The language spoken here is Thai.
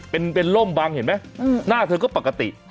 เป็นล่มบังเห็นไหมหน้าเธอก็ปกติ